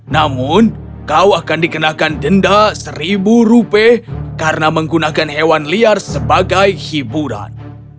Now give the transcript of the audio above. namun kau akan dikenakan denda seribu rupiah karena menggunakan hewan liar sebagai hiburan